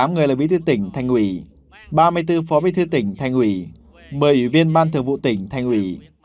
một mươi tám người là bí thư tỉnh thành ủy ba mươi bốn phó bí thư tỉnh thành ủy một mươi ủy viên ban thường vụ tỉnh thành ủy